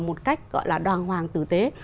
một cách gọi là đoàn hoàng tử tế